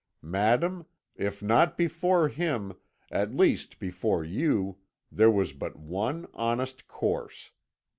Madame, if not before him, at least before you, there was but one honest course.